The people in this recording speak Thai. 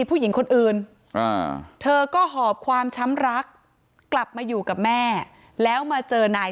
ทั้งครูก็มีค่าแรงรวมกันเดือนละประมาณ๗๐๐๐กว่าบาท